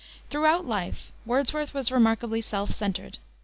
Throughout life Wordsworth was remarkably self centered.